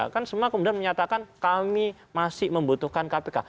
kan semua kemudian menyatakan kami masih membutuhkan kpk